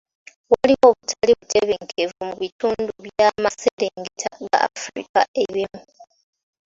Waliwo obutali butebenkevu mu bitundu by'amaserengeta ga Africa ebimu.